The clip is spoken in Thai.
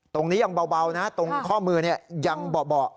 ตรงนี้ยังเบานะตรงข้อมือยังเบาะ